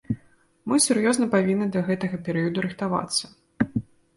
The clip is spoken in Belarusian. Мы сур'ёзна павінны да гэтага перыяду рыхтавацца.